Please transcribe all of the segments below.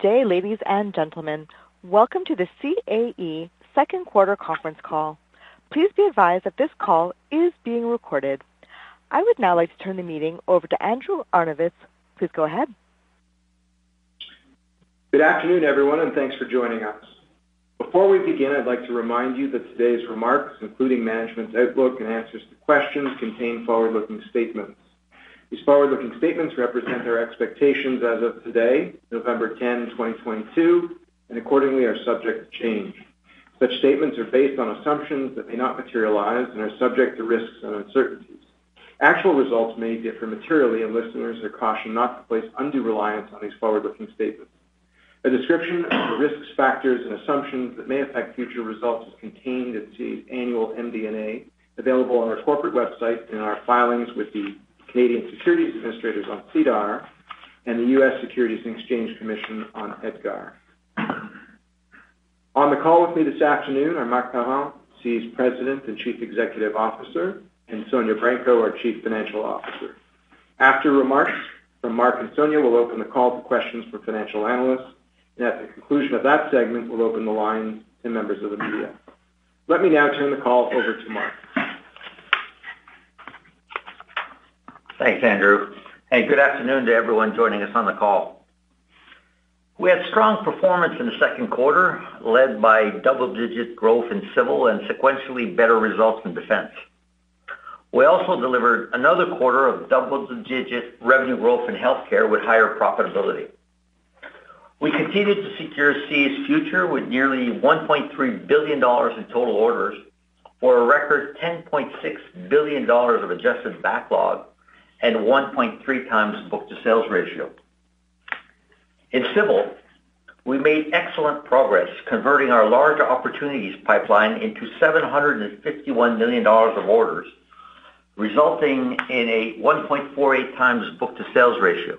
Good day, ladies and gentlemen. Welcome to the CAE second quarter conference call. Please be advised that this call is being recorded. I would now like to turn the meeting over to Andrew Arnovitz. Please go ahead. Good afternoon, everyone, and thanks for joining us. Before we begin, I'd like to remind you that today's remarks, including management's outlook and answers to questions, contain forward-looking statements. These forward-looking statements represent our expectations as of today, November 10, 2022, and accordingly, are subject to change. Such statements are based on assumptions that may not materialize and are subject to risks and uncertainties. Actual results may differ materially, and listeners are cautioned not to place undue reliance on these forward-looking statements. A description of the risks, factors, and assumptions that may affect future results is contained in CAE's annual MD&A available on our corporate website in our filings with the Canadian Securities Administrators on SEDAR and the U.S. Securities and Exchange Commission on EDGAR. On the call with me this afternoon are Marc Parent, CAE's President and Chief Executive Officer, and Sonya Branco, our Chief Financial Officer. After remarks from Marc and Sonya, we'll open the call to questions for financial analysts, and at the conclusion of that segment, we'll open the line to members of the media. Let me now turn the call over to Marc. Thanks, Andrew, and good afternoon to everyone joining us on the call. We had strong performance in the second quarter, led by double-digit growth in civil and sequentially better results in defense. We also delivered another quarter of double-digit revenue growth in healthcare with higher profitability. We continued to secure CAE's future with nearly 1.3 billion dollars in total orders for a record 10.6 billion dollars of adjusted backlog and 1.3x book-to-sales ratio. In civil, we made excellent progress converting our larger opportunities pipeline into 751 million dollars of orders, resulting in a 1.48x book-to-sales ratio.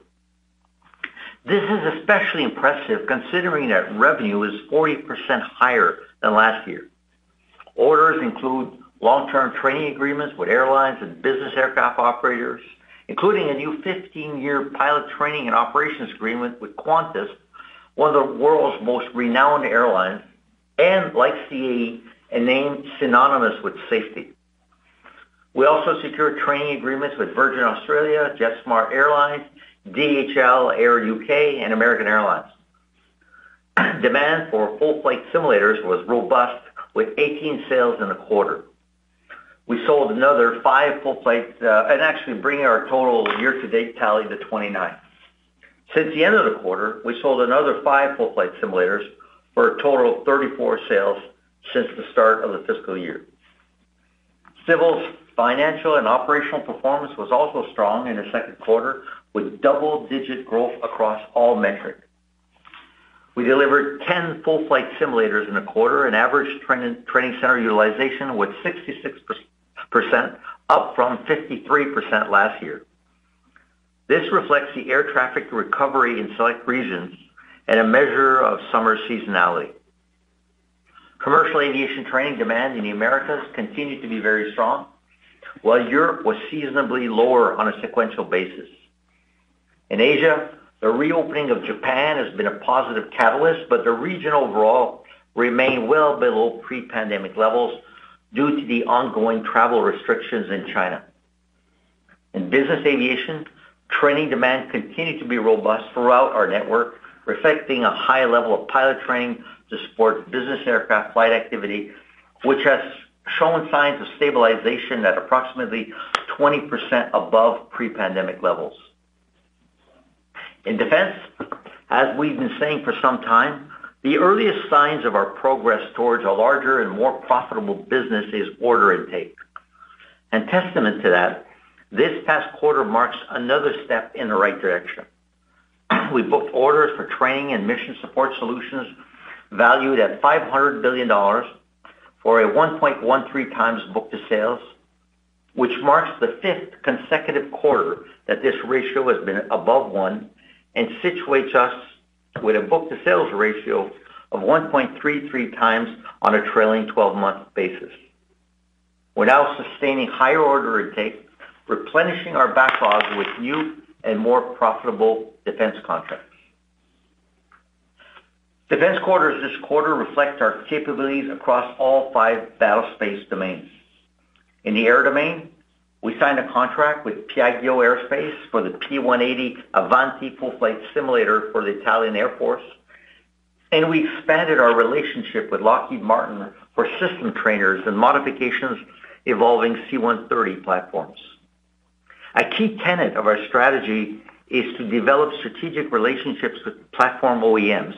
This is especially impressive considering that revenue is 40% higher than last year. Orders include long-term training agreements with airlines and business aircraft operators, including a new 15-year pilot training and operations agreement with Qantas, one of the world's most renowned airlines, and like CAE, a name synonymous with safety. We also secured training agreements with Virgin Australia, JetSMART Airlines, DHL Air UK, and American Airlines. Demand for Full-Flight Simulators was robust with 18 sales in a quarter. We sold another five Full-Flight Simulators and actually bringing our total year-to-date tally to 29. Since the end of the quarter, we sold another five Full-Flight Simulators for a total of 34 sales since the start of the fiscal year. Civil's financial and operational performance was also strong in the second quarter, with double-digit growth across all metrics. We delivered 10 Full-Flight Simulators in a quarter, an average training center utilization with 66%, up from 53% last year. This reflects the air traffic recovery in select regions and a measure of summer seasonality. Commercial aviation training demand in the Americas continued to be very strong, while Europe was seasonably lower on a sequential basis. In Asia, the reopening of Japan has been a positive catalyst, but the region overall remained well below pre-pandemic levels due to the ongoing travel restrictions in China. In business aviation, training demand continued to be robust throughout our network, reflecting a high level of pilot training to support business aircraft flight activity, which has shown signs of stabilization at approximately 20% above pre-pandemic levels. In defense, as we've been saying for some time, the earliest signs of our progress towards a larger and more profitable business is order intake. Testament to that, this past quarter marks another step in the right direction. We booked orders for training and mission support solutions valued at $500 billion for a 1.13x book-to-sales, which marks the fifth consecutive quarter that this ratio has been above 1 and situates us with a book-to-sales ratio of 1.33x on a trailing twelve-month basis. We're now sustaining higher order intake, replenishing our backlogs with new and more profitable defense contracts. Defense quarters this quarter reflect our capabilities across all five battlespace domains. In the air domain, we signed a contract with Piaggio Aerospace for the P.180 Avanti Full-Flight Simulator for the Italian Air Force, and we expanded our relationship with Lockheed Martin for system trainers and modifications involving C-130 platforms. A key tenet of our strategy is to develop strategic relationships with platform OEMs,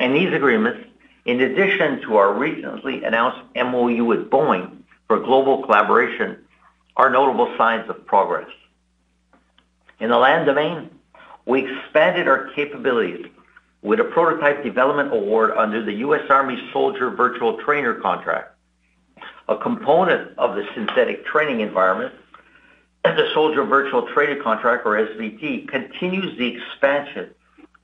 and these agreements, in addition to our recently announced MoU with Boeing for global collaboration, are notable signs of progress. In the land domain, we expanded our capabilities with a prototype development award under the U.S. Army Soldier Virtual Trainer contract, a component of the Synthetic Training Environment, and the Soldier Virtual Trainer contract, or SVT, continues the expansion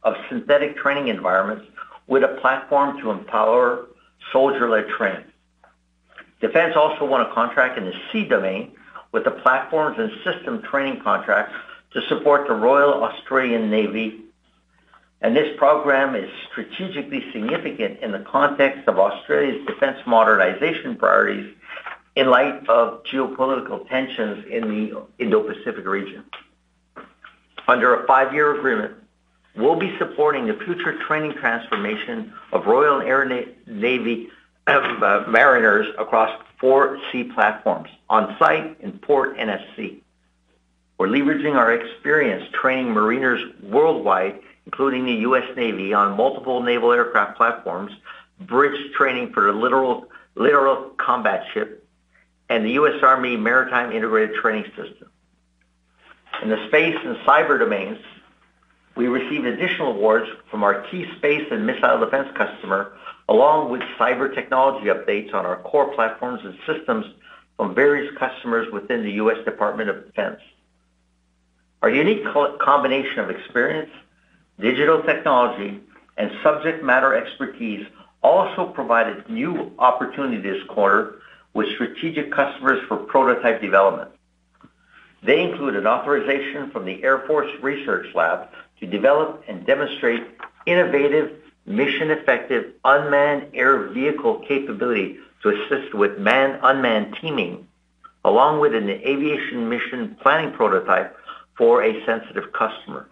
of Synthetic Training Environments with a platform to empower soldier-led training. Defense also won a contract in the sea domain with the platforms and systems training contract to support the Royal Australian Navy. This program is strategically significant in the context of Australia's defense modernization priorities in light of geopolitical tensions in the Indo-Pacific region. Under a five-year agreement, we'll be supporting the future training transformation of Royal Australian Navy mariners across four sea platforms on site in Port NSC. We're leveraging our experience training mariners worldwide, including the U.S. Navy, on multiple naval aircraft platforms, bridge training for the littoral combat ship and the U.S. Army Maritime Integrated Training System. In the space and cyber domains, we received additional awards from our key space and missile defense customer, along with cyber technology updates on our core platforms and systems from various customers within the U.S. Department of Defense. Our unique combination of experience, digital technology, and subject matter expertise also provided new opportunities this quarter with strategic customers for prototype development. They include an authorization from the Air Force Research Lab to develop and demonstrate innovative, mission-effective unmanned air vehicle capability to assist with manned-unmanned teaming, along with an aviation mission planning prototype for a sensitive customer,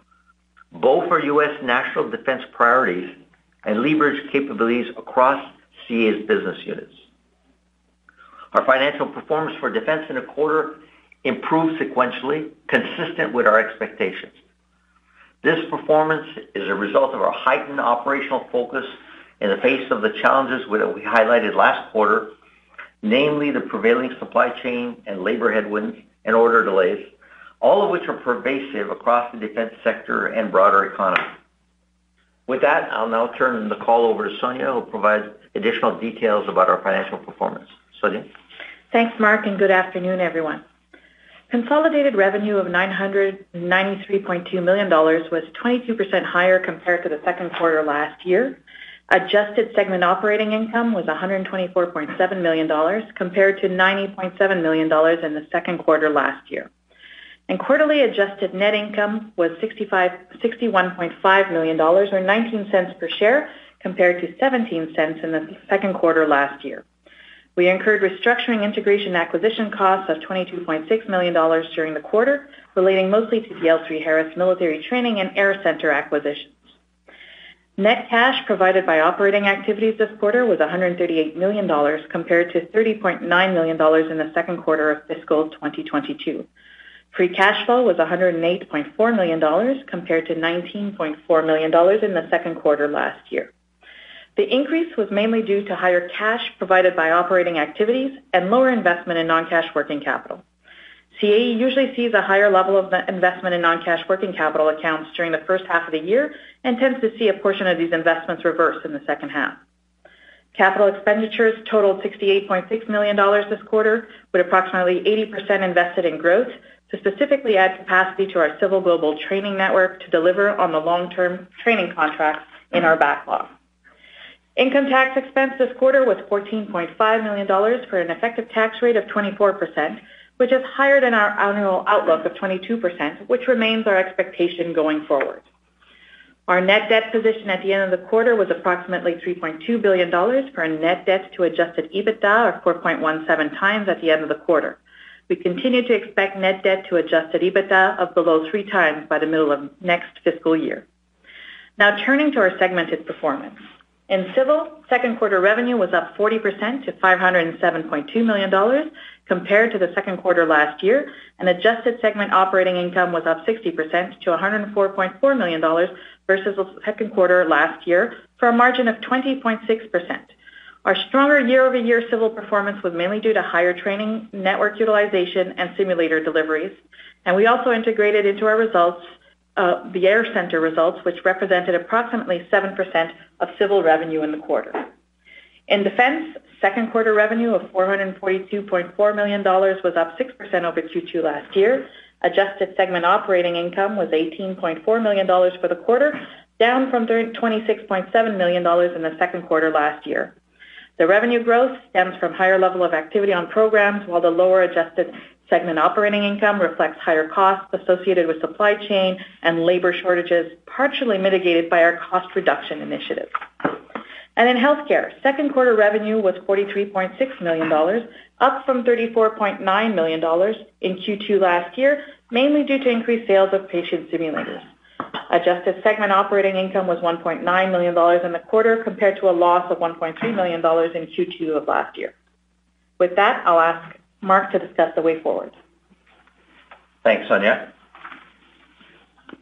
both for U.S. national defense priorities and leverage capabilities across CAE's business units. Our financial performance for defense in a quarter improved sequentially consistent with our expectations. This performance is a result of our heightened operational focus in the face of the challenges that we highlighted last quarter, namely the prevailing supply chain and labor headwinds and order delays, all of which are pervasive across the defense sector and broader economy. With that, I'll now turn the call over to Sonya, who'll provide additional details about our financial performance. Sonya. Thanks, Mark, and good afternoon, everyone. Consolidated revenue of 993.2 million dollars was 22% higher compared to the second quarter last year. Adjusted segment operating income was 124.7 million dollars compared to 90.7 million dollars in the second quarter last year. Quarterly adjusted net income was 61.5 million dollars or 0.19 per share, compared to 0.17 in the second quarter last year. We incurred restructuring, integration, and acquisition costs of 22.6 million dollars during the quarter, relating mostly to L3Harris Military Training and AirCentre acquisitions. Net cash provided by operating activities this quarter was 138 million dollars compared to 30.9 million dollars in the second quarter of fiscal 2022. Free cash flow was 108.4 million dollars compared to 19.4 million dollars in the second quarter last year. The increase was mainly due to higher cash provided by operating activities and lower investment in non-cash working capital. CAE usually sees a higher level of investment in non-cash working capital accounts during the first half of the year and tends to see a portion of these investments reversed in the second half. Capital expenditures totaled 68.6 million dollars this quarter, with approximately 80% invested in growth to specifically add capacity to our civil global training network to deliver on the long-term training contracts in our backlog. Income tax expense this quarter was 14.5 million dollars for an effective tax rate of 24%, which is higher than our annual outlook of 22%, which remains our expectation going forward. Our net debt position at the end of the quarter was approximately 3.2 billion dollars for a net debt to adjusted EBITDA of 4.17x at the end of the quarter. We continue to expect net debt to adjusted EBITDA of below 3x by the middle of next fiscal year. Now turning to our segment performance. In civil, second quarter revenue was up 40% to 507.2 million dollars compared to the second quarter last year, and adjusted segment operating income was up 60% to 104.4 million dollars versus the second quarter last year for a margin of 20.6%. Our stronger year-over-year civil performance was mainly due to higher training, network utilization and simulator deliveries. We also integrated into our results, the AirCentre results, which represented approximately 7% of civil revenue in the quarter. In defense, second quarter revenue of 442.4 million dollars was up 6% over Q2 last year. Adjusted segment operating income was 18.4 million dollars for the quarter, down from 26.7 million dollars In the second quarter last year. The revenue growth stems from higher level of activity on programs, while the lower adjusted segment operating income reflects higher costs associated with supply chain and labor shortages, partially mitigated by our cost reduction initiatives. In healthcare, second quarter revenue was 43.6 million dollars, up from 34.9 million dollars in Q2 last year, mainly due to increased sales of patient simulators. Adjusted segment operating income was 1.9 million dollars in the quarter compared to a loss of 1.3 million dollars in Q2 of last year. With that, I'll ask Marc to discuss the way forward. Thanks, Sonya.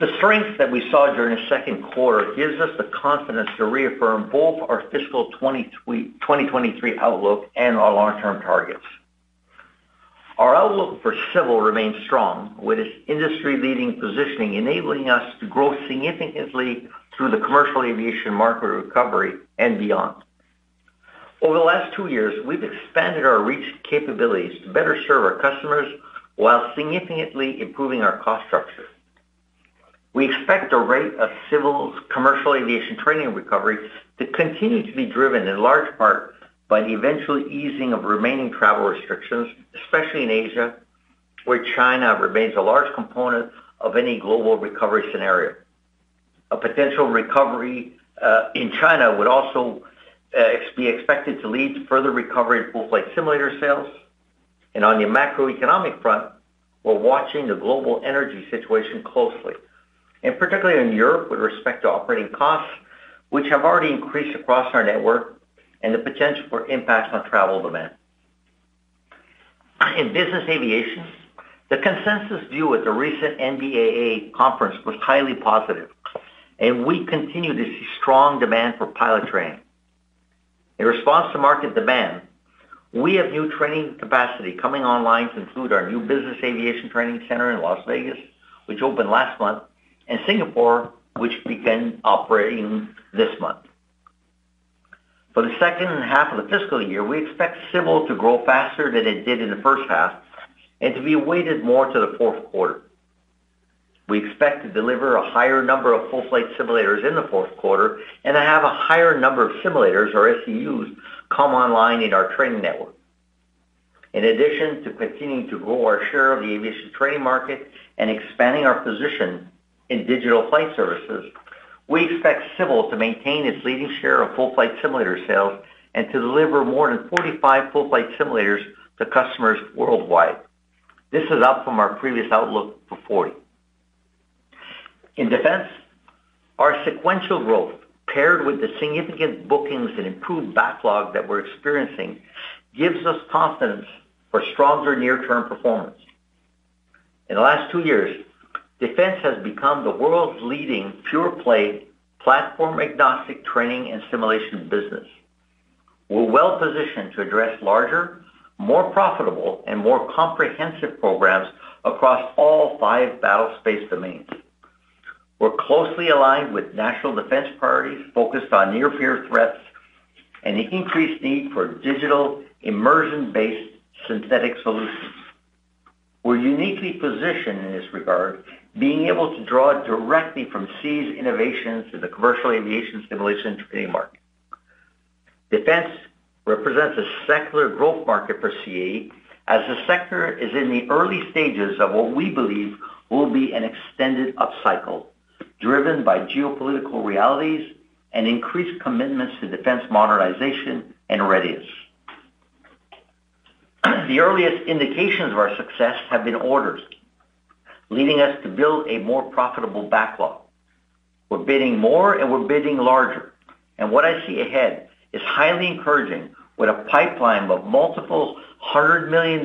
The strength that we saw during the second quarter gives us the confidence to reaffirm both our fiscal 2023 outlook and our long-term targets. Our outlook for Civil remains strong, with its industry-leading positioning enabling us to grow significantly through the commercial aviation market recovery and beyond. Over the last two years, we've expanded our reach and capabilities to better serve our customers while significantly improving our cost structure. We expect the rate of Civil's commercial aviation training recovery to continue to be driven in large part by the eventual easing of remaining travel restrictions, especially in Asia, where China remains a large component of any global recovery scenario. A potential recovery in China would also be expected to lead to further recovery in Full-Flight Simulator sales. On the macroeconomic front, we're watching the global energy situation closely, and particularly in Europe with respect to operating costs, which have already increased across our network and the potential for impact on travel demand. In business aviation, the consensus view at the recent NBAA conference was highly positive, and we continue to see strong demand for pilot training. In response to market demand, we have new training capacity coming online to include our new business aviation training center in Las Vegas, which opened last month, and Singapore, which began operating this month. For the second half of the fiscal year, we expect Civil to grow faster than it did in the first half and to be weighted more to the fourth quarter. We expect to deliver a higher number of Full-Flight Simulators in the fourth quarter and to have a higher number of simulators or SCUs come online in our training network. In addition to continuing to grow our share of the aviation training market and expanding our position in digital flight services, we expect Civil to maintain its leading share of Full-Flight Simulator sales and to deliver more than 45 Full-Flight Simulators to customers worldwide. This is up from our previous outlook for 40. In Defense, our sequential growth paired with the significant bookings and improved backlog that we're experiencing gives us confidence for stronger near-term performance. In the last two years, Defense has become the world's leading pure-play platform-agnostic training and simulation business. We're well-positioned to address larger, more profitable, and more comprehensive programs across all five battlespace domains. We're closely aligned with national defense priorities focused on near-peer threats and the increased need for digital immersion-based synthetic solutions. We're uniquely positioned in this regard, being able to draw directly from CAE's innovations in the commercial aviation simulation training market. Defense represents a secular growth market for CAE as the sector is in the early stages of what we believe will be an extended upcycle driven by geopolitical realities and increased commitments to defense modernization and readiness. The earliest indications of our success have been orders, leading us to build a more profitable backlog. We're bidding more, and we're bidding larger. What I see ahead is highly encouraging with a pipeline of multiple $100 million+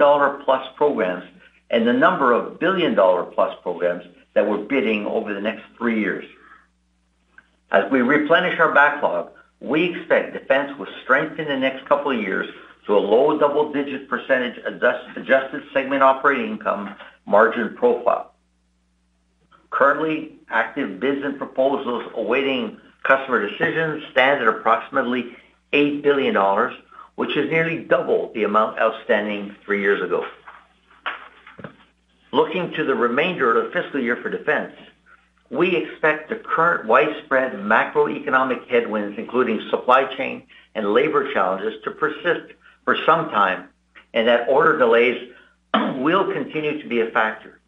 programs and the number of billion dollar-plus programs that we're bidding over the next three years. As we replenish our backlog, we expect Defense will strengthen the next couple of years to a low double-digit percentage adjusted segment operating income margin profile. Currently, active bids and proposals awaiting customer decisions stand at approximately $8 billion, which is nearly double the amount outstanding three years ago. Looking to the remainder of the fiscal year for Defense, we expect the current widespread macroeconomic headwinds, including supply chain and labor challenges, to persist for some time, and that order delays will continue to be a factor.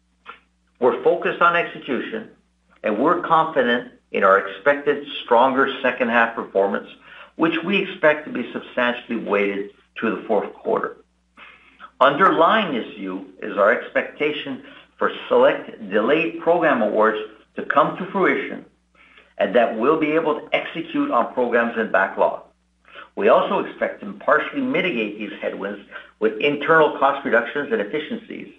We're focused on execution, and we're confident in our expected stronger second half performance, which we expect to be substantially weighted to the fourth quarter. Underlying this view is our expectation for select delayed program awards to come to fruition, and that we'll be able to execute on programs and backlog. We also expect to partially mitigate these headwinds with internal cost reductions and efficiencies,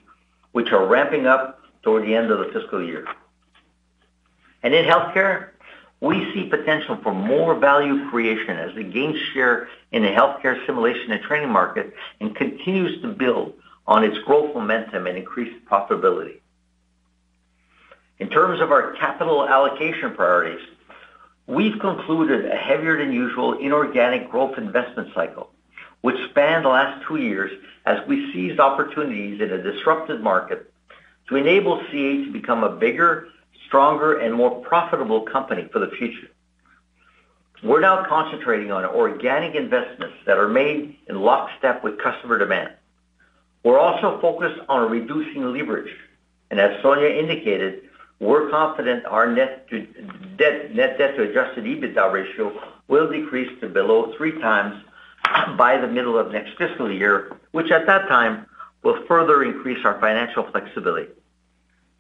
which are ramping up toward the end of the fiscal year. In Healthcare, we see potential for more value creation as we gain share in the healthcare simulation and training market and continues to build on its growth momentum and increased profitability. In terms of our capital allocation priorities, we've concluded a heavier-than-usual inorganic growth investment cycle, which spanned the last two years as we seized opportunities in a disrupted market to enable CAE to become a bigger, stronger, and more profitable company for the future. We're now concentrating on organic investments that are made in lockstep with customer demand. We're also focused on reducing leverage. As Sonya indicated, we're confident our net debt to adjusted EBITDA ratio will decrease to below 3x by the middle of next fiscal year, which at that time will further increase our financial flexibility.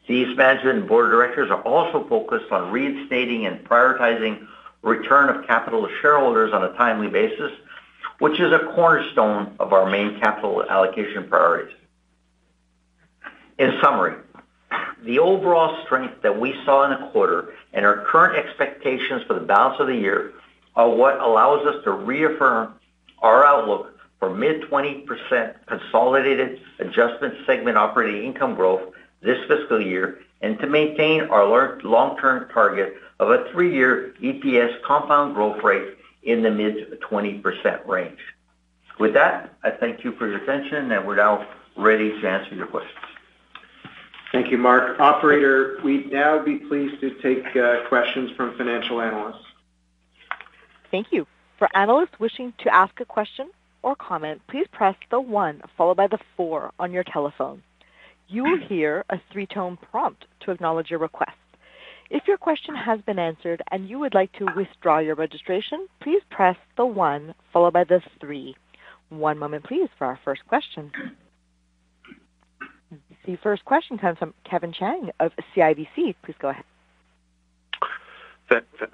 CAE's management and board of directors are also focused on reinstating and prioritizing return of capital to shareholders on a timely basis, which is a cornerstone of our main capital allocation priorities. In summary, the overall strength that we saw in the quarter and our current expectations for the balance of the year are what allows us to reaffirm our outlook for mid-20% consolidated adjusted Segment Operating Income growth this fiscal year and to maintain our long-term target of a three-year EPS compound growth rate in the mid-20% range. With that, I thank you for your attention, and we're now ready to answer your questions. Thank you, Marc. Operator, we'd now be pleased to take questions from financial analysts. Thank you. For analysts wishing to ask a question or comment, please press the one followed by the four on your telephone. You will hear a three-tone prompt to acknowledge your request. If your question has been answered and you would like to withdraw your registration, please press the one followed by the three. One moment, please, for our first question. The first question comes from Kevin Chiang of CIBC. Please go ahead.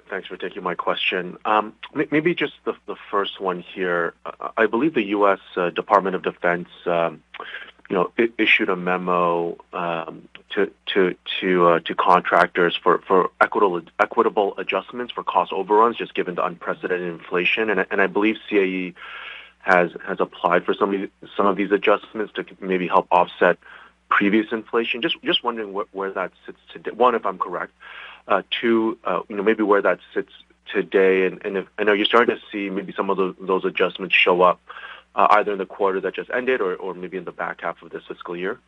Thanks for taking my question. Maybe just the first one here. I believe the U.S. Department of Defense issued a memo to contractors for equitable adjustments for cost overruns, just given the unprecedented inflation. I believe CAE has applied for some of these adjustments to maybe help offset previous inflation. Just wondering where that sits. One, if I'm correct. Two, maybe where that sits today, and I know you're starting to see maybe some of those adjustments show up, either in the quarter that just ended or maybe in the back half of this fiscal year.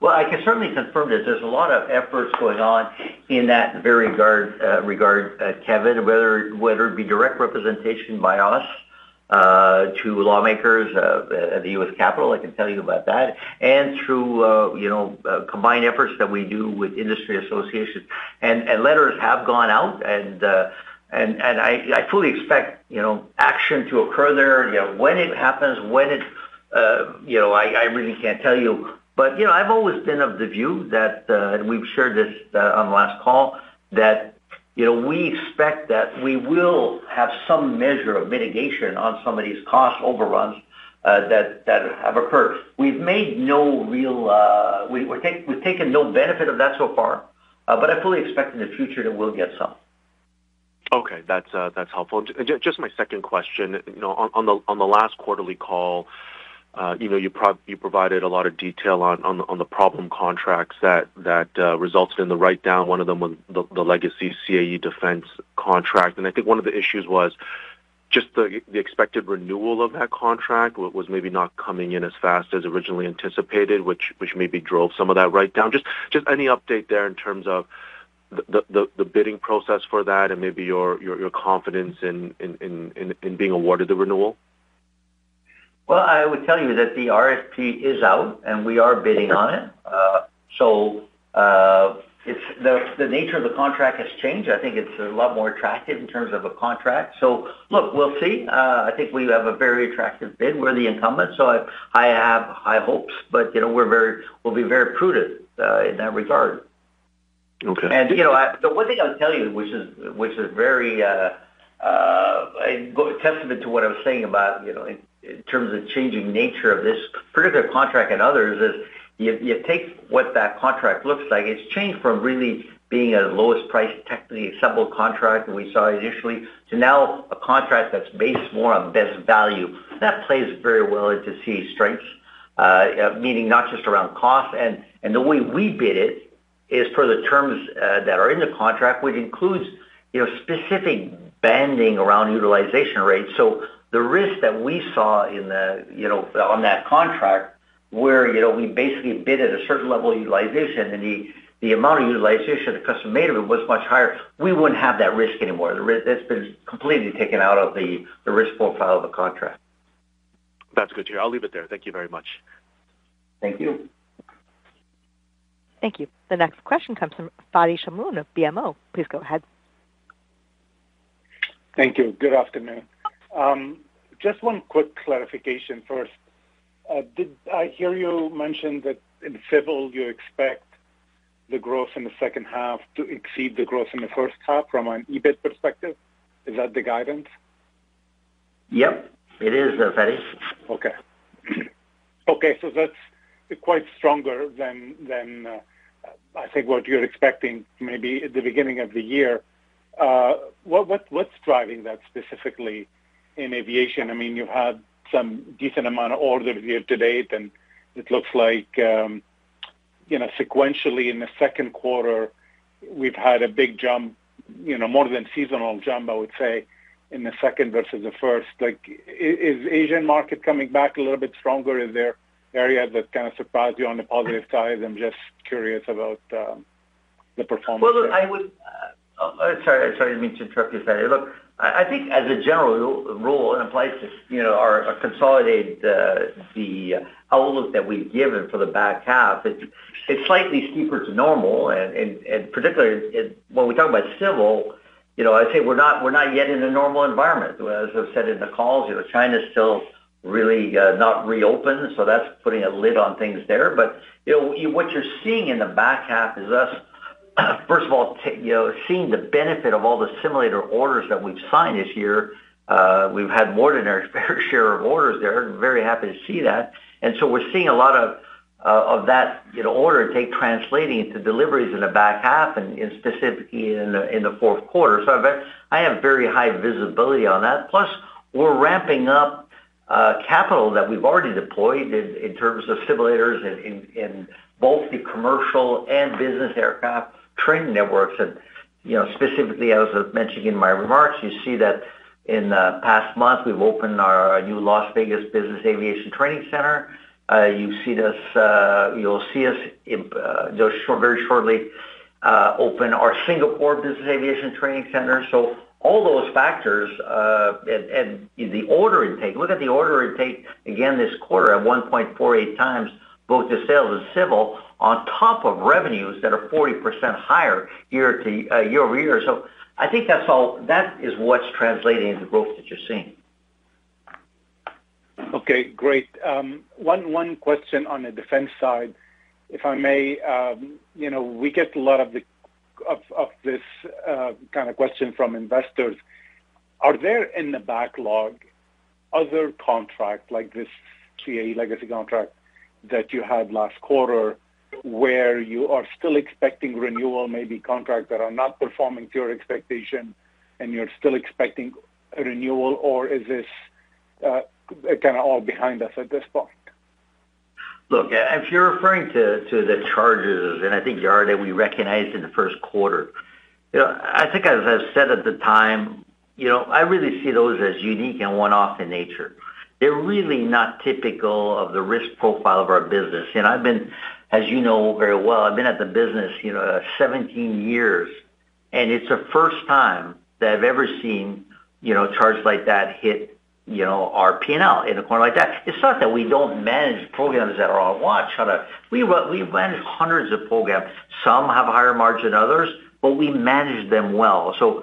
Well, I can certainly confirm that there's a lot of efforts going on in that very regard, Kevin, whether it be direct representation by us to lawmakers of the U.S. Capitol. I can tell you about that, and through you know combined efforts that we do with industry associations. Letters have gone out, and I fully expect, you know, action to occur there. You know, when it happens, you know, I really can't tell you. You know, I've always been of the view that and we've shared this on the last call, that you know we expect that we will have some measure of mitigation on some of these cost overruns that have occurred. We've taken no benefit of that so far, but I fully expect in the future that we'll get some. Okay. That's helpful. Just my second question. On the last quarterly call, you provided a lot of detail on the problem contracts that resulted in the write-down. One of them was the legacy CAE defense contract. I think one of the issues was just the expected renewal of that contract was maybe not coming in as fast as originally anticipated, which maybe drove some of that write-down. Just any update there in terms of the bidding process for that and maybe your confidence in being awarded the renewal? Well, I would tell you that the RFP is out, and we are bidding on it. The nature of the contract has changed. I think it's a lot more attractive in terms of a contract. Look, we'll see. I think we have a very attractive bid. We're the incumbent, so I have high hopes. You know, we'll be very prudent in that regard. Okay. You know, the one thing I'll tell you, which is very a good testament to what I was saying about, you know, in terms of changing nature of this particular contract and others, is you take what that contract looks like. It's changed from really being a lowest price technically acceptable contract we saw initially to now a contract that's based more on best value. That plays very well into CAE's strengths, meaning not just around cost. The way we bid it is per the terms that are in the contract, which includes, you know, specific banding around utilization rates. The risk that we saw in the, you know, on that contract where, you know, we basically bid at a certain level of utilization, and the amount of utilization the customer made of it was much higher. We wouldn't have that risk anymore. That's been completely taken out of the risk profile of the contract. That's good to hear. I'll leave it there. Thank you very much. Thank you. Thank you. The next question comes from Fadi Chamoun of BMO. Please go ahead. Thank you. Good afternoon. Just one quick clarification first. Did I hear you mention that in civil you expect the growth in the second half to exceed the growth in the first half from an EBIT perspective? Is that the guidance? Yep. It is there, Fadi. That's quite stronger than I think what you're expecting maybe at the beginning of the year. What what's driving that specifically in aviation? I mean, you've had some decent amount of orders year to date, and it looks like, you know, sequentially in the second quarter, we've had a big jump, you know, more than seasonal jump, I would say, in the second versus the first. Like, is Asian market coming back a little bit stronger? Is there areas that kind of surprised you on the positive side? I'm just curious about the performance there. Well, look, sorry, didn't mean to interrupt you, Fadi. Look, I think as a general rule that applies to, you know, our consolidated, the outlook that we've given for the back half, it's slightly steeper than normal. Particularly when we talk about Civil, you know, I'd say we're not yet in a normal environment. As I've said in the calls, you know, China's still really not reopened, so that's putting a lid on things there. You know, what you're seeing in the back half is us, first of all, seeing the benefit of all the simulator orders that we've signed this year. We've had more than our fair share of orders there. Very happy to see that. We're seeing a lot of that, you know, order intake translating into deliveries in the back half and specifically in the fourth quarter. I have very high visibility on that. Plus, we're ramping up capital that we've already deployed in terms of simulators in both the commercial and business aircraft training networks. You know, specifically, as I mentioned in my remarks, you see that in the past month, we've opened our new Las Vegas Business Aviation Training Center. You see this, you'll see us just very shortly open our Singapore Business Aviation Training Center. All those factors and the order intake. Look at the order intake again this quarter at 1.48x book-to-sales in civil on top of revenues that are 40% higher year to...year-over-year. I think that's all. That is what's translating into growth that you're seeing. Okay, great. One question on the defense side, if I may. You know, we get a lot of this kind of question from investors. Are there in the backlog other contracts like this CAE legacy contract that you had last quarter where you are still expecting renewal, maybe contracts that are not performing to your expectation and you're still expecting a renewal? Or is this kinda all behind us at this point? Look, if you're referring to the charges, and I think you are, that we recognized in the first quarter. You know, I think as I've said at the time, you know, I really see those as unique and one-off in nature. They're really not typical of the risk profile of our business. I've been, as you know very well, at the business, you know, 17 years, and it's the first time that I've ever seen, you know, charges like that hit, you know, our P&L in a quarter like that. It's not that we don't manage programs that are on watch. We manage hundreds of programs. Some have a higher margin than others, but we manage them well.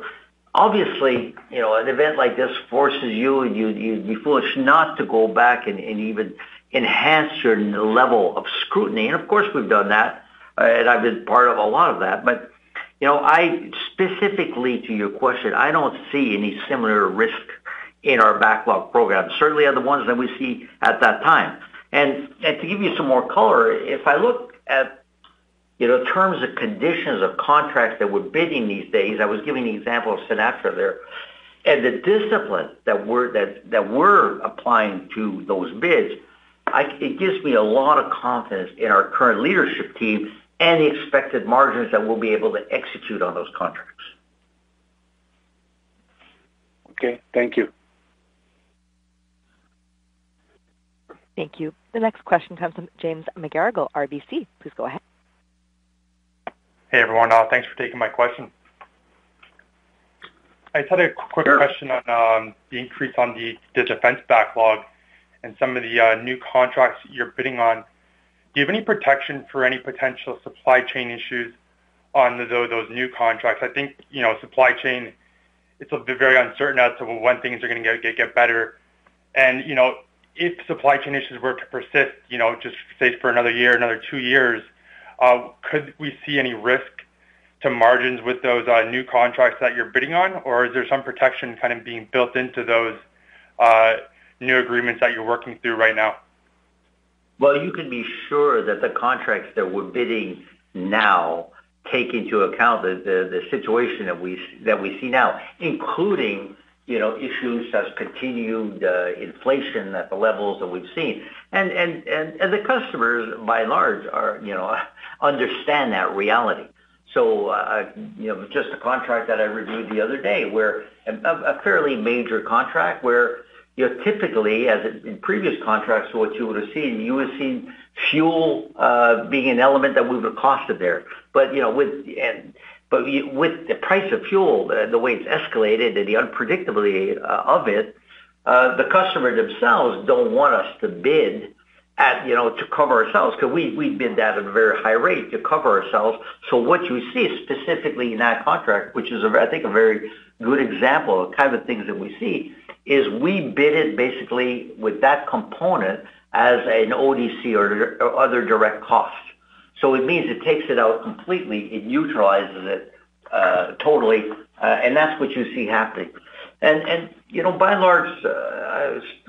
Obviously, you know, an event like this forces you'd be foolish not to go back and even enhance certain level of scrutiny. Of course, we've done that, and I've been part of a lot of that. But, you know, I specifically to your question, I don't see any similar risk in our backlog programs, certainly are the ones that we see at that time. To give you some more color, if I look at, you know, terms and conditions of contracts that we're bidding these days, I was giving the example of Sinatra there, and the discipline that we're applying to those bids. It gives me a lot of confidence in our current leadership team and the expected margins that we'll be able to execute on those contracts. Okay. Thank you. Thank you. The next question comes from James McGarragle, RBC. Please go ahead. Hey, everyone. Thanks for taking my question. I just had a quick question on the increase on the defense backlog and some of the new contracts you're bidding on. Do you have any protection for any potential supply chain issues on those new contracts? I think, you know, supply chain, it's a bit very uncertain as to when things are gonna get better. You know, if supply chain issues were to persist, you know, just say for another year, another two years, could we see any risk to margins with those new contracts that you're bidding on? Or is there some protection kind of being built into those new agreements that you're working through right now? Well, you can be sure that the contracts that we're bidding now take into account the situation that we see now, including, you know, issues such as continued inflation at the levels that we've seen. The customers, by and large, you know, understand that reality. You know, just a contract that I reviewed the other day where a fairly major contract where, you know, typically as in previous contracts what you would have seen, you would have seen fuel being an element that we would have costed there. With the price of fuel, the way it's escalated and the unpredictability of it, the customers themselves don't want us to bid at, you know, to cover ourselves because we bid that at a very high rate to cover ourselves. What you see specifically in that contract, which is a, I think, a very good example of kind of things that we see, is we bid it basically with that component as an ODC or other direct cost. It means it takes it out completely. It neutralizes it totally. And that's what you see happening. And, you know, by and large,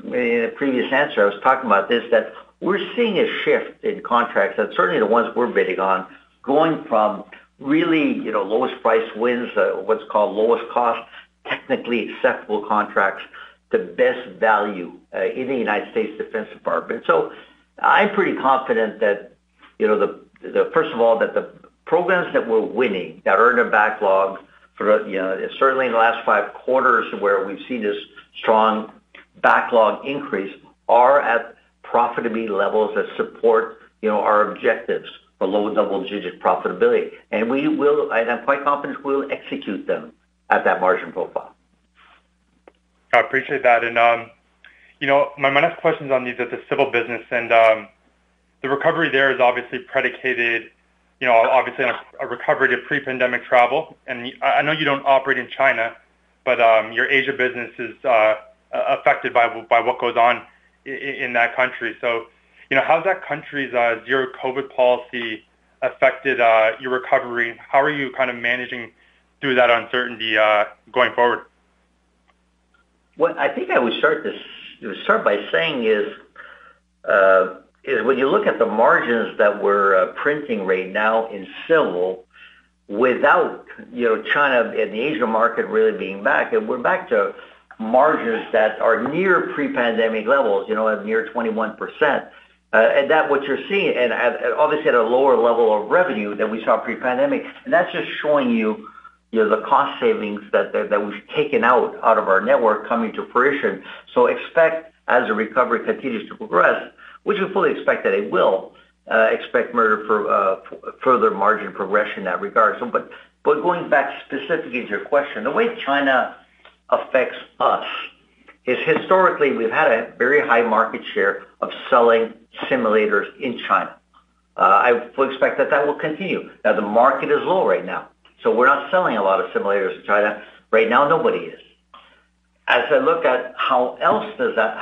in a previous answer, I was talking about this, that we're seeing a shift in contracts, and certainly the ones we're bidding on, going from really, you know, lowest price wins, what's called lowest cost, technically acceptable contracts to best value, in the U.S. Department of Defense. I'm pretty confident that, you know, the first of all, that the programs that we're winning that earn a backlog for, you know, certainly in the last five quarters where we've seen this strong backlog increase are at profitability levels that support, you know, our objectives for low double-digit profitability. We will, and I'm quite confident we'll execute them at that margin profile. I appreciate that. You know, my last question is on the civil business. The recovery there is obviously predicated, you know, obviously on a recovery to pre-pandemic travel. I know you don't operate in China, but your Asia business is affected by what goes on in that country. You know, how has that country's zero COVID policy affected your recovery? How are you kind of managing through that uncertainty going forward? I think I would start by saying when you look at the margins that we're printing right now in Civil without, you know, China and the Asia market really being back, and we're back to margins that are near pre-pandemic levels, you know, at near 21%. And that's what you're seeing, and obviously at a lower level of revenue than we saw pre-pandemic. That's just showing you know, the cost savings that we've taken out of our network coming to fruition. Expect as the recovery continues to progress, which we fully expect that it will, expect further margin progression in that regard. But going back specifically to your question, the way China affects us is historically we've had a very high market share of selling simulators in China. I fully expect that will continue. Now the market is low right now, so we're not selling a lot of simulators to China. Right now, nobody is. As I look at how else does that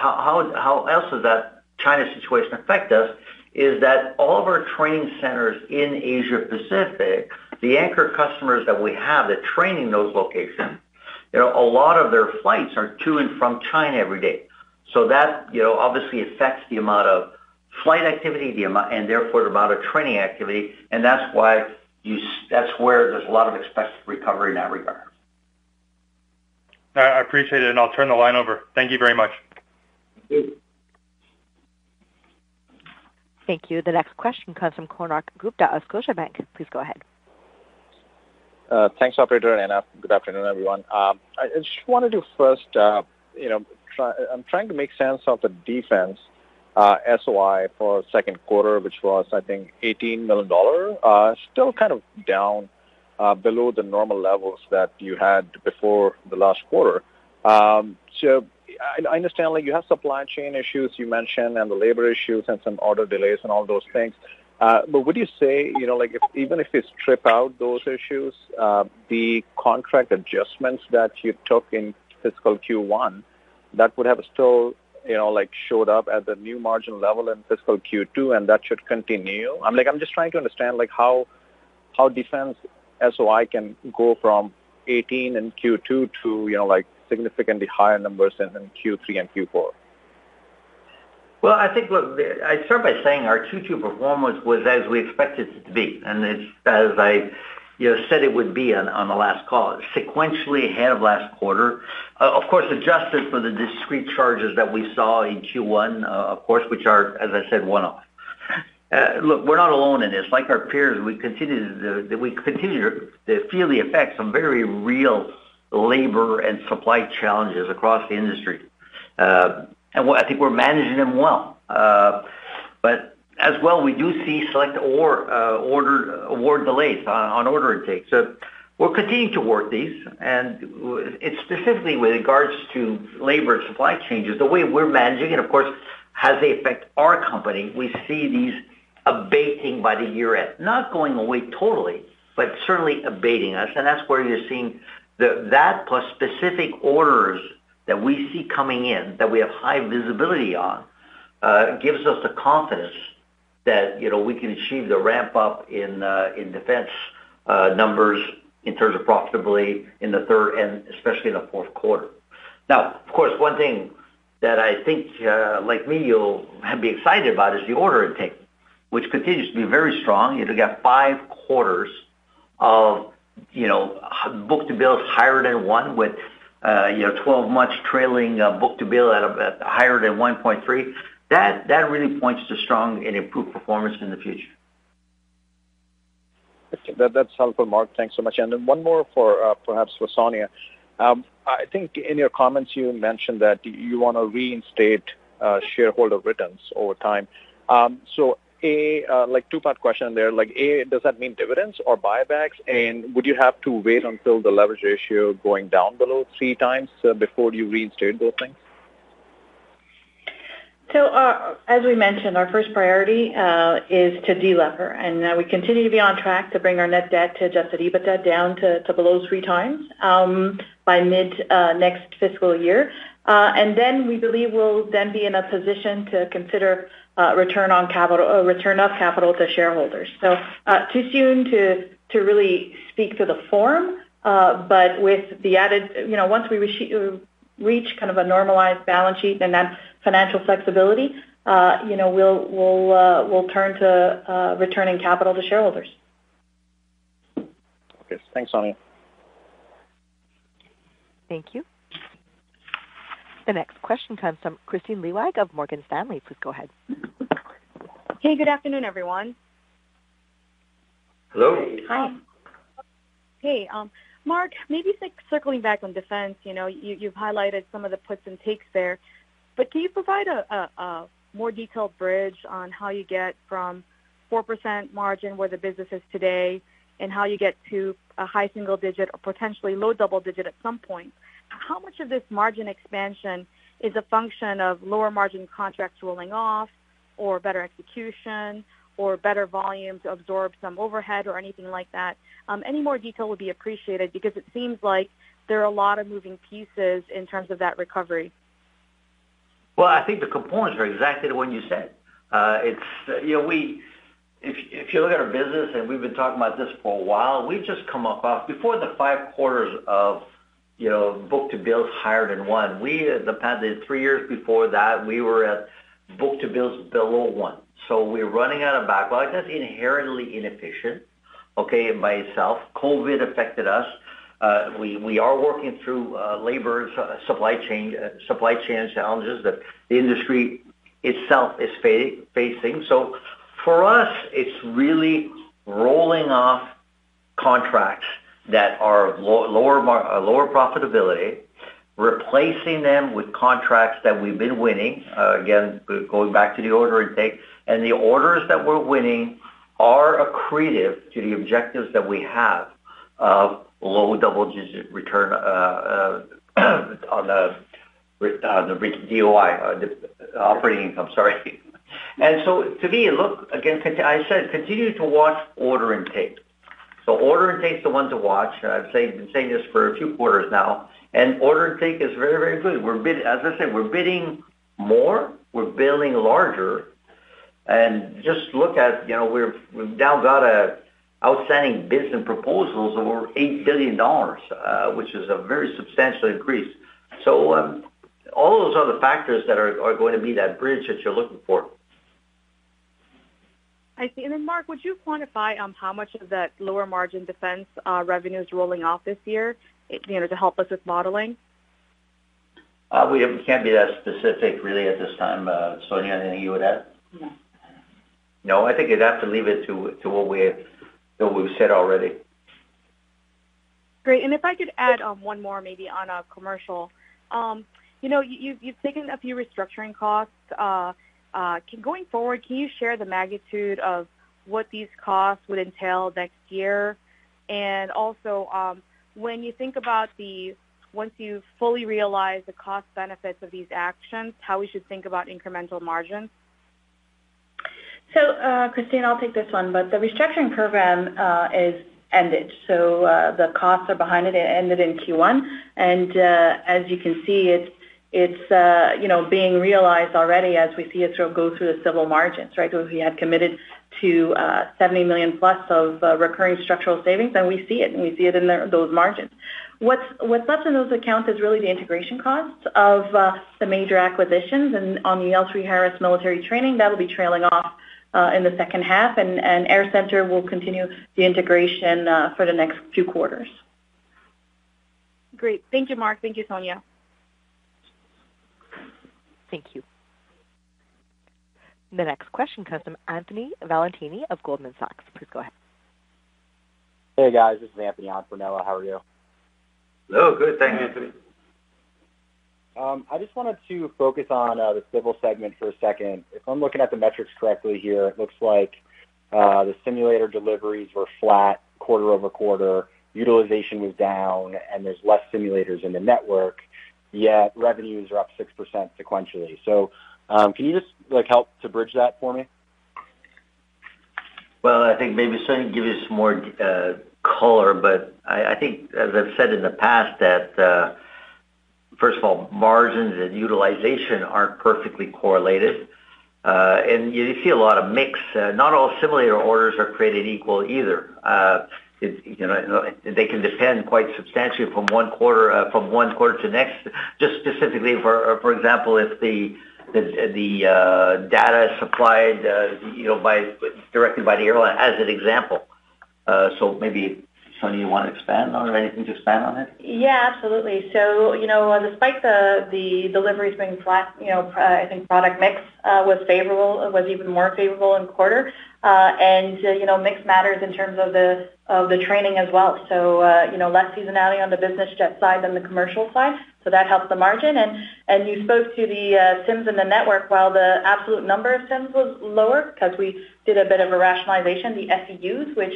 China situation affect us, is that all of our training centers in Asia Pacific, the anchor customers that we have that train in those locations, you know, a lot of their flights are to and from China every day. So that, you know, obviously affects the amount of flight activity, and therefore the amount of training activity. That's where there's a lot of expected recovery in that regard. I appreciate it, and I'll turn the line over. Thank you very much. Thank you. Thank you. The next question comes from Konark Gupta of Scotiabank. Please go ahead. Thanks, operator, and good afternoon, everyone. I just wanted to first, you know, I'm trying to make sense of the defense SOI for second quarter, which was, I think, 18 million dollars, still kind of down, below the normal levels that you had before the last quarter. I understand, like, you have supply chain issues you mentioned and the labor issues and some order delays and all those things. Would you say, you know, like if, even if you strip out those issues, the contract adjustments that you took in fiscal Q1, that would have still, you know, like, showed up at the new margin level in fiscal Q2, and that should continue? I'm like, I'm just trying to understand, like, how Defense SOI can go from 18 million in Q2 to, you know, like, significantly higher numbers in Q3 and Q4. I'd start by saying our Q2 performance was as we expected it to be, and it's as I, you know, said it would be on the last call, sequentially ahead of last quarter. Of course, adjusted for the discrete charges that we saw in Q1, which are, as I said, one-off. We're not alone in this. Like our peers, we continue to feel the effects of very real labor and supply challenges across the industry. I think we're managing them well. But as well, we do see select order award delays on order intake. We're continuing to work these, and it's specifically with regards to labor and supply changes. The way we're managing it, of course, how they affect our company, we see these abating by the year end, not going away totally, but certainly abating. That's where you're seeing that plus specific orders that we see coming in that we have high visibility on gives us the confidence that, you know, we can achieve the ramp up in defense numbers in terms of profitability in the third and especially in the fourth quarter. Now, of course, one thing that I think, like me, you'll be excited about is the order intake, which continues to be very strong. We've got five quarters of, you know, book-to-bill higher than one with, you know, 12 months trailing book-to-bill at higher than 1.3. That really points to strong and improved performance in the future. That's helpful, Marc. Thanks so much. One more, perhaps for Sonya. I think in your comments, you mentioned that you want to reinstate shareholder returns over time. So a like two-part question there, like, A, does that mean dividends or buybacks? Would you have to wait until the leverage ratio going down below three times before you reinstate both things? As we mentioned, our first priority is to de-lever, and we continue to be on track to bring our net debt to adjusted EBITDA down to below 3x by mid next fiscal year. We believe we'll then be in a position to consider return of capital to shareholders. Too soon to really speak to the form, but with the added, you know, once we reach kind of a normalized balance sheet and that financial flexibility, you know, we'll turn to returning capital to shareholders. Okay. Thanks, Sonya. Thank you. The next question comes from Kristine Liwag of Morgan Stanley. Please go ahead. Hi. Hey, Marc, maybe circling back on defense, you know, you've highlighted some of the puts and takes there, but can you provide a more detailed bridge on how you get from 4% margin where the business is today and how you get to a high single digit or potentially low double digit at some point? How much of this margin expansion is a function of lower margin contracts rolling off or better execution or better volume to absorb some overhead or anything like that? Any more detail would be appreciated because it seems like there are a lot of moving pieces in terms of that recovery. Well, I think the components are exactly the one you said. It's if you look at our business, and we've been talking about this for a while, we've just come off of five quarters of book-to-bill higher than one. The past three years before that, we were at book-to-bill below one. We're running out of backlog. That's inherently inefficient, okay, by itself. COVID affected us. We are working through labor supply chain, supply chain challenges that the industry itself is facing. For us, it's really rolling off contracts that are lower profitability, replacing them with contracts that we've been winning. Going back to the order intake, the orders that we're winning are accretive to the objectives that we have of low double-digit return on the SOI, operating income, sorry. To me, look, again, I said continue to watch order intake. Order intake is the one to watch. I've been saying this for two quarters now, and order intake is very, very good. As I said, we're bidding more, we're winning larger. Just look at, you know, we've now got outstanding bids and proposals over $8 billion, which is a very substantial increase. All those are the factors that are going to be that bridge that you're looking for. I see. Marc, would you quantify on how much of that lower margin defense revenue is rolling off this year, you know, to help us with modeling? We can't be that specific really at this time. Sonya, anything you would add? No. No, I think you'd have to leave it to what we've said already. Great. If I could add on one more maybe on commercial. You know, you've taken a few restructuring costs. Going forward, can you share the magnitude of what these costs would entail next year? Also, when you think about once you fully realize the cost benefits of these actions, how we should think about incremental margins. Kristine, I'll take this one, but the restructuring program is ended. The costs are behind it. It ended in Q1. As you can see, it's you know, being realized already as we see it sort of go through the Civil margins, right? We had committed to 70 million plus of recurring structural savings, and we see it in those margins. What's left in those accounts is really the integration costs of the major acquisitions. On the L3Harris Military Training, that'll be trailing off in the second half, and AirCentre will continue the integration for the next few quarters. Great. Thank you, Marc. Thank you, Sonya. Thank you. The next question comes from Anthony Valentini of Goldman Sachs. Please go ahead. Hey, guys, this is Anthony on for Noah. How are you? Hello. Good. Thanks, Anthony. I just wanted to focus on the civil segment for a second. If I'm looking at the metrics correctly here, it looks like the simulator deliveries were flat quarter-over-quarter. Utilization was down, and there's less simulators in the network, yet revenues are up 6% sequentially. Can you just, like, help to bridge that for me? Well, I think maybe Sonya can give you some more color, but I think, as I've said in the past, that first of all, margins and utilization aren't perfectly correlated, and you see a lot of mix. Not all simulator orders are created equal either. You know, they can depend quite substantially from one quarter to the next, just specifically, for example, if the data is supplied, you know, dictated by the airline as an example. So maybe, Sonya, you want to expand on or anything to expand on it? Yeah, absolutely. You know, despite the deliveries being flat, you know, I think product mix was even more favorable in quarter. You know, mix matters in terms of the training as well. You know, less seasonality on the business jet side than the commercial side. That helps the margin. You spoke to the sims in the network while the absolute number of sims was lower because we did a bit of a rationalization, the SEUs, which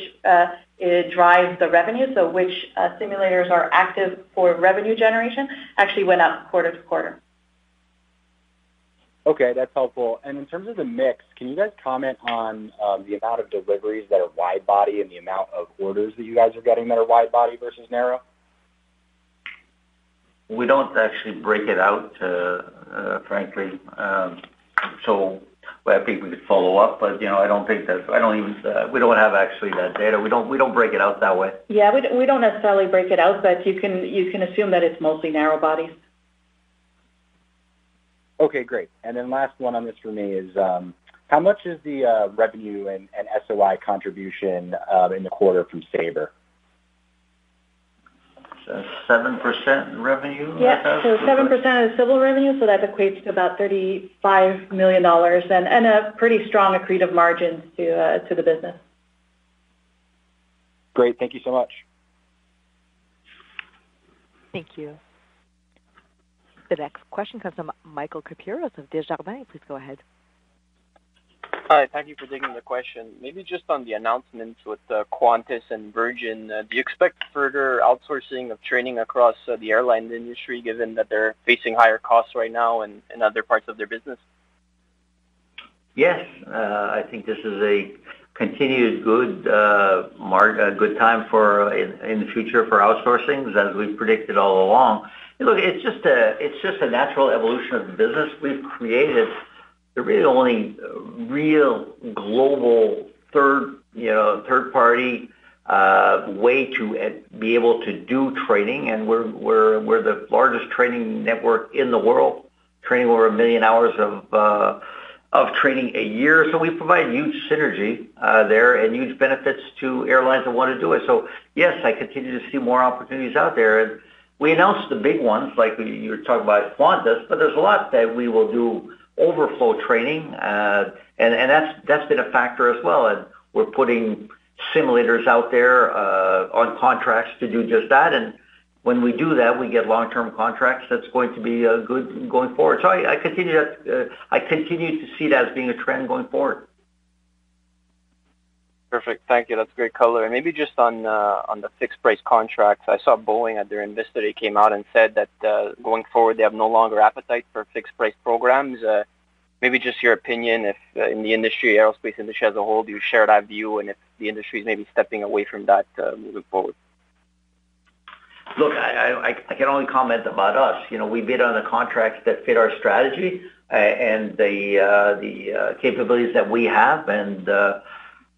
it drives the revenue. Which simulators are active for revenue generation actually went up quarter to quarter. Okay, that's helpful. In terms of the mix, can you guys comment on the amount of deliveries that are wide body and the amount of orders that you guys are getting that are wide body versus narrow? We don't actually break it out, frankly. I think we could follow up, but, you know, we don't have actually that data. We don't break it out that way. Yeah, we don't necessarily break it out, but you can assume that it's mostly narrow body. Okay, great. Last one on this for me is, how much is the revenue and SOI contribution in the quarter from Sabre? 7% revenue. 7% of civil revenue. That equates to about 35 million dollars and a pretty strong accretive margin to the business. Great. Thank you so much. Thank you. The next question comes from Michael Kypreos of Desjardins. Please go ahead. All right. Thank you for taking the question. Maybe just on the announcements with Qantas and Virgin, do you expect further outsourcing of training across the airline industry, given that they're facing higher costs right now in other parts of their business? Yes. I think this is a continued good time for in the future for outsourcing, as we've predicted all along. Look, it's just a natural evolution of the business we've created. They're really the only real global third, you know, third party way to be able to do training, and we're the largest training network in the world, training over 1 million hours of training a year. So we provide huge synergy there and huge benefits to airlines that want to do it. So yes, I continue to see more opportunities out there. We announced the big ones like you were talking about Qantas, but there's a lot that we will do overflow training, and that's been a factor as well. We're putting simulators out there, on contracts to do just that. When we do that, we get long-term contracts that's going to be good going forward. I continue to see that as being a trend going forward. Perfect. Thank you. That's a great color. Maybe just on the fixed-price contracts. I saw that Boeing at their Investor Day came out and said that going forward, they no longer have an appetite for fixed-price programs. Maybe just your opinion if in the industry, aerospace industry as a whole, do you share that view, and if the industry is maybe stepping away from that moving forward? Look, I can only comment about us. You know, we bid on the contracts that fit our strategy, and the capabilities that we have.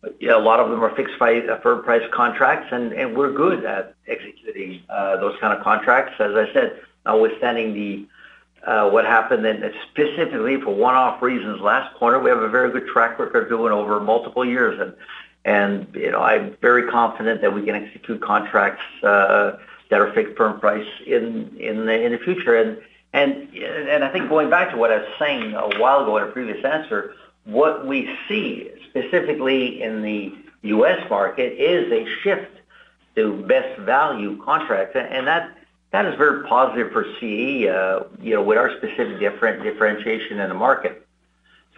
A lot of them are fixed price, firm price contracts, and we're good at executing those kind of contracts. As I said, notwithstanding the what happened and specifically for one-off reasons last quarter, we have a very good track record of doing over multiple years. You know, I'm very confident that we can execute contracts that are fixed firm price in the future. I think going back to what I was saying a while ago in a previous answer, what we see specifically in the U.S. market is a shift to best value contracts. That is very positive for CAE, you know, with our specific differentiation in the market.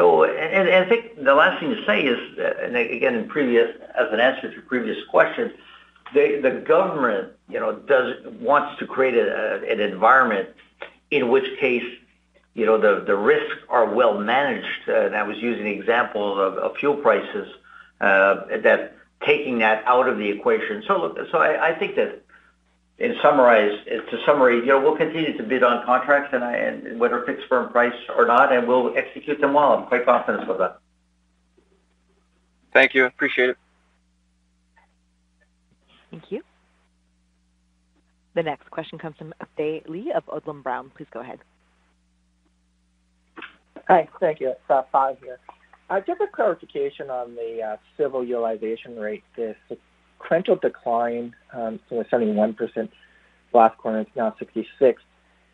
I think the last thing to say is, and again, as an answer to previous questions, the government, you know, wants to create an environment in which the risks are well managed. I was using the example of fuel prices, that taking that out of the equation. Look, I think that to summary, you know, we'll continue to bid on contracts whether fixed firm price or not, and we'll execute them well. I'm quite confident with that. Thank you. Appreciate it. Thank you. The next question comes from Fai Lee of Odlum Brown. Please go ahead. Hi. Thank you. It's Dave here. Just a clarification on the civil utilization rate. The sequential decline from the 71% last quarter, it's now 66%.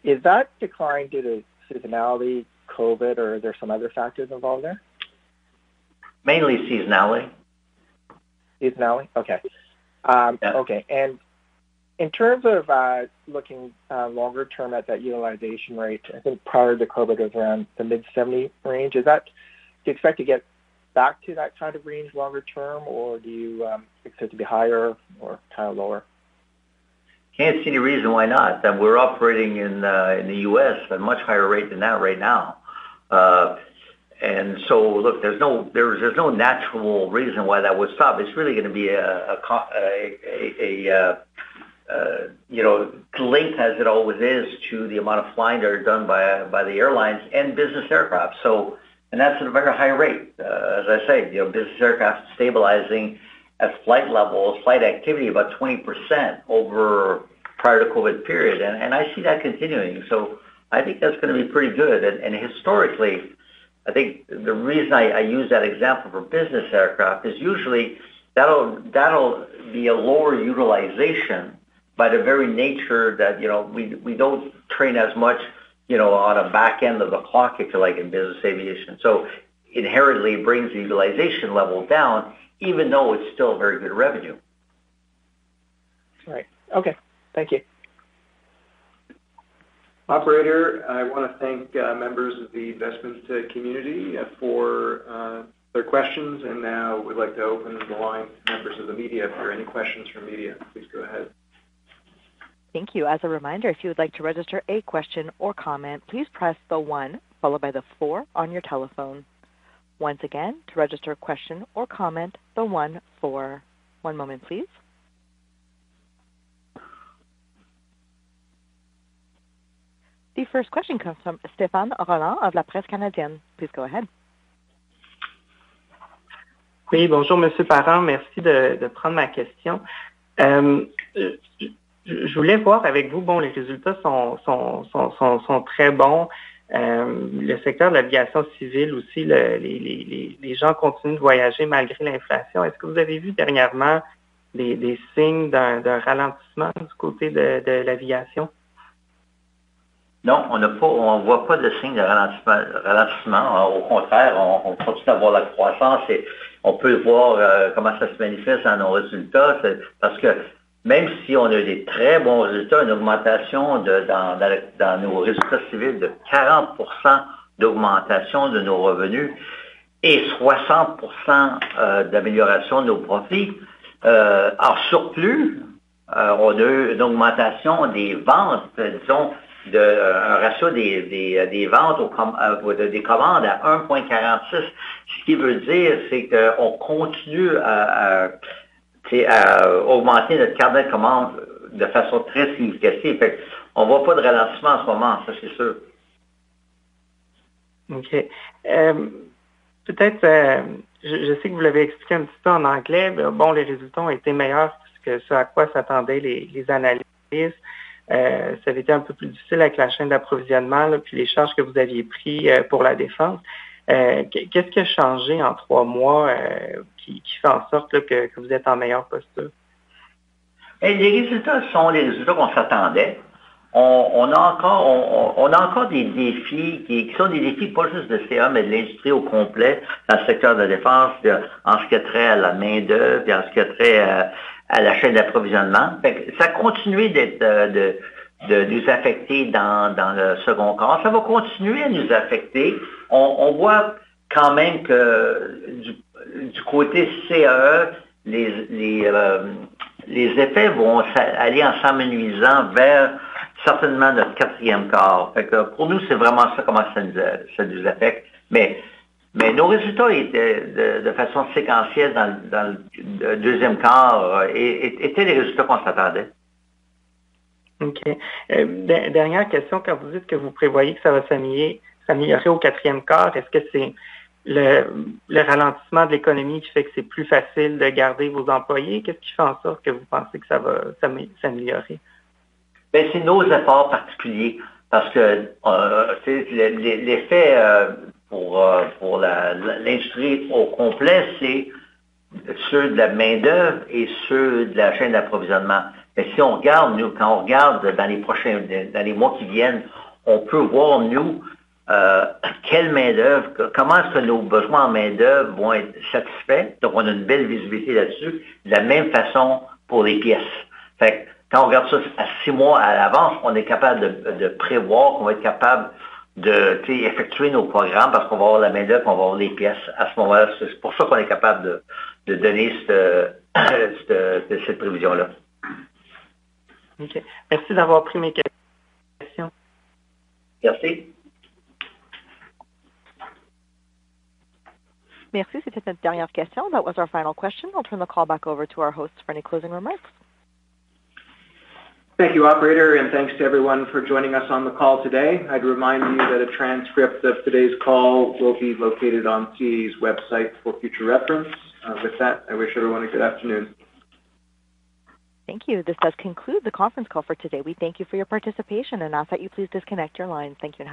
Is that decline due to seasonality, COVID, or are there some other factors involved there? Mainly seasonality. Seasonality? Okay. Yeah. Okay. In terms of looking longer term at that utilization rate, I think prior to COVID was around the mid-70 range. Do you expect to get back to that kind of range longer term, or do you expect to be higher or kind of lower? Can't see any reason why not. That we're operating in the US at a much higher rate than that right now. Look, there's no natural reason why that would stop. It's really going to be, you know, linked as it always is to the amount of flying that are done by the airlines and business aircraft. That's at a very high rate. As I say, you know, business aircraft stabilizing at flight levels, flight activity about 20% over prior to COVID period. I see that continuing. I think that's going to be pretty good. Historically, I think the reason I use that example for business aircraft is usually that'll be a lower utilization by the very nature that, you know, we don't train as much, you know, on a back end of a clock, if you like, in business aviation. Inherently it brings the utilization level down, even though it's still very good revenue. Right. Okay. Thank you. Operator, I want to thank members of the investment community for their questions, and now we'd like to open the line to members of the media. If there are any questions from media, please go ahead. Thank you. As a reminder, if you would like to register a question or comment, please press the one followed by the four on your telephone. Once again, to register a question or comment, the one, four. One moment, please. The first question comes from Stéphane Rolland of La Presse Canadienne. Please go ahead. A augmenté notre carnet de commandes de façon très significative. On voit pas de ralentissement en ce moment, ça, c'est sûr. OK. Peut-être, je sais que vous l'avez expliqué un petit peu en anglais. Bon, les résultats ont été meilleurs que ce à quoi s'attendaient les analystes. Ça avait été un peu plus difficile avec la chaîne d'approvisionnement, puis les charges que vous aviez pris pour la défense. Qu'est-ce qui a changé en trois mois qui fait en sorte que vous êtes en meilleure posture? Les résultats sont les résultats qu'on s'attendait. On a encore des défis qui sont des défis pas juste de CAE, mais de l'industrie au complet dans le secteur de la défense, en ce qui a trait à la main d'œuvre, puis en ce qui a trait à la chaîne d'approvisionnement. Ça a continué de nous affecter dans le second quart. Ça va continuer à nous affecter. On voit quand même que du côté CAE, les effets vont aller en s'amenuisant vers certainement notre quatrième quart. Pour nous, c'est vraiment ça comment ça nous affecte. Nos résultats étaient de façon séquentielle dans le deuxième quart et étaient des résultats qu'on s'attendait. OK. Dernière question. Quand vous dites que vous prévoyez que ça va s'améliorer au quatrième quart, est-ce que c'est le ralentissement de l'économie qui fait que c'est plus facile de garder vos employés? Qu'est-ce qui fait en sorte que vous pensez que ça va s'améliorer? C'est nos efforts particuliers, parce que l'effet pour l'industrie au complet, c'est ceux de la main-d'œuvre et ceux de la chaîne d'approvisionnement. Si on regarde dans les prochains mois qui viennent, on peut voir quelle main-d'œuvre, comment est-ce que nos besoins en main-d'œuvre vont être satisfaits. On a une belle visibilité là-dessus. De la même façon pour les pièces. Quand on regarde ça six mois à l'avance, on est capable de prévoir qu'on va être capable d'effectuer nos programmes parce qu'on va avoir la main-d'œuvre, on va avoir les pièces à ce moment-là. C'est pour ça qu'on est capable de donner cette prévision-là. OK. Merci d'avoir pris mes questions. Merci. Merci, c'était notre dernière question. That was our final question. I'll turn the call back over to our host for any closing remarks. Thank you operator and thanks to everyone for joining us on the call today. I'd remind you that a transcript of today's call will be located on CAE's website for future reference. With that, I wish everyone a good afternoon. Thank you. This does conclude the conference call for today. We thank you for your participation and ask that you please disconnect your lines. Thank you and have a good day.